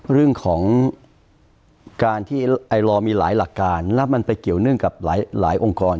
เรื่องของการที่ไอลอร์มีหลายหลักการแล้วมันไปเกี่ยวเนื่องกับหลายองค์กร